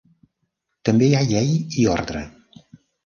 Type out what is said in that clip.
També hi ha llei i ordre.